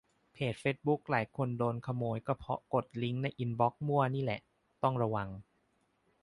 เพจเฟซบุ๊กหลายคนโดนขโมยก็เพราะกดลิงก์ในอินบอกซ์มั่วนี่แหละ ต้องระวัง